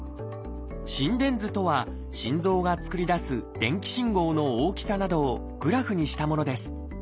「心電図」とは心臓が作り出す電気信号の大きさなどをグラフにしたものです。